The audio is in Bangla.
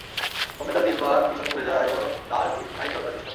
অমনি তার জিহ্বার কিছু অংশ পুড়ে যায় ও তার জিহ্বায় জড়তার সৃষ্টি হয়।